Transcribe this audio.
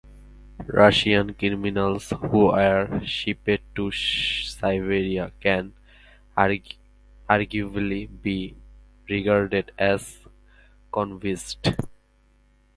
Russian criminals who were shipped to Siberia can arguably be regarded as convicts.